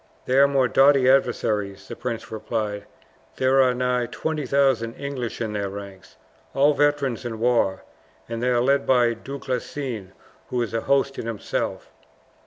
"They are more doughty adversaries," the prince replied. "There are nigh 20,000 English in their ranks all veterans in war and they are led by Du Guesclin, who is a host in himself."